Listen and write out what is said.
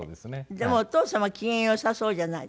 でもお父様機嫌よさそうじゃないですか。